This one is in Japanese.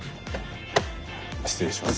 失礼します。